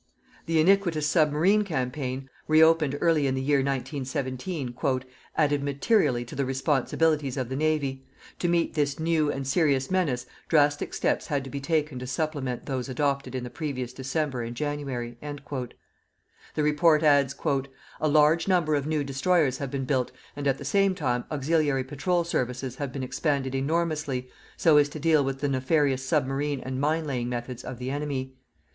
The iniquitous submarine campaign, re opened early in the year 1917, "_added materially to the responsibilities of the Navy. To meet this new and serious menace drastic steps had to be taken to supplement those adopted in the previous December and January_." The Report adds: A large number of new destroyers have been built and at the same time auxiliary patrol services have been expanded enormously so as to deal with the nefarious submarine and minelaying methods of the enemy.